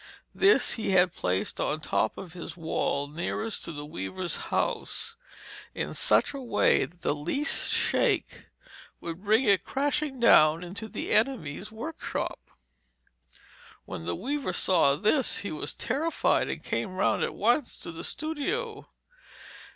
This he had placed on the top of his wall nearest to the weaver's house, in such a way that the least shake would bring it crashing down into the enemy's workshop. When the weaver saw this he was terrified, and came round at once to the studio.